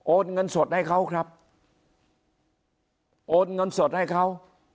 เงินสดให้เขาครับโอนเงินสดให้เขา